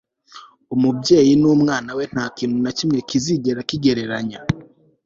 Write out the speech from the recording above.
umubyeyi numwana we, ntakintu na kimwe kizigera kigereranya